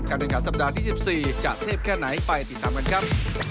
การแข่งขันสัปดาห์ที่๑๔จะเทพแค่ไหนไปติดตามกันครับ